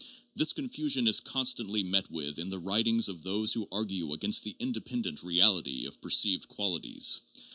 This confusion is constantly met with in the writings of those who argue against the independent reality of perceived qualities.